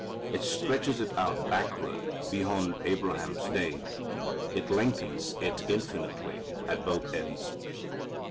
It stretches it out backward beyond Abraham's day. It lengthens it infinitely at both ends.